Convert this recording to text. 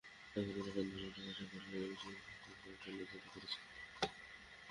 তাঁকে কান ধরিয়ে ওঠবস করিয়ে সারা বিশ্বের শিক্ষক সমাজকে লাঞ্ছিত করেছেন।